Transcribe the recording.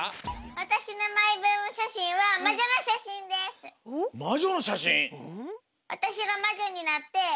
わたしのマイブームしゃしんはまじょのしゃしん！？